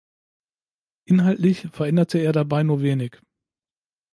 Inhaltlich veränderte er dabei nur wenig.